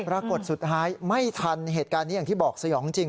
ปรากฏสุดท้ายไม่ทันเหตุการณ์นี้อย่างที่บอกสยองจริง